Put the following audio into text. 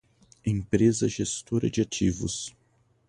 Empresa Gestora de Ativos